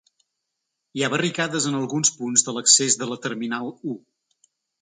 Hi ha barricades en alguns punts de l’accés de la terminal u.